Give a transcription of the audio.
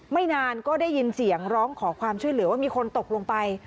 ไม่นานก็ได้ยินเสียงร้องขอความช่วยเหลือว่ามีคนตกลงไป